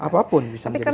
apapun bisa menjadi stresor